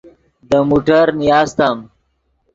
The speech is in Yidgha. دے موٹر نیاستم